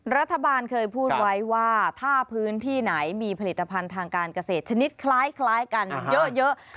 รัฐบาลเคยพูดไว้ว่าถ้าพื้นที่ไหนมีผลิตภัณฑ์ทางการเกษตรชนิดคล้ายกันเยอะ